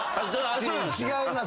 違います。